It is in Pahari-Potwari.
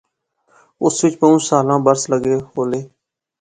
اس وچ بہوں سالاں برس لغے ہولے